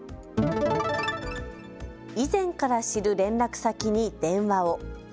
以前から知る連絡先に電話を。